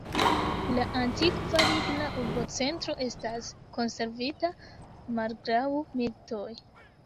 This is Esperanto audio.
La antikva ligna urbocentro estas konservita malgraŭ militoj.